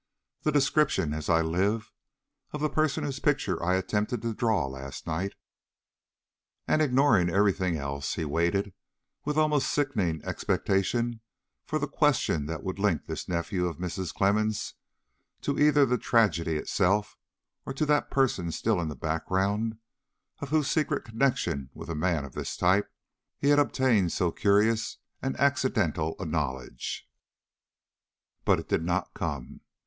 "The description, as I live, of the person whose picture I attempted to draw last night." And, ignoring every thing else, he waited with almost sickening expectation for the question that would link this nephew of Mrs. Clemmens either to the tragedy itself, or to that person still in the background, of whose secret connection with a man of this type, he had obtained so curious and accidental a knowledge. But it did not come.